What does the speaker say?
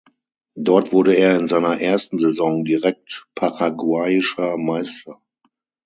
Dort wurde er in seiner ersten Saison direkt paraguayischer Meister.